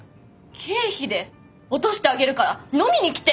「経費で落としてあげるから飲みに来て」！？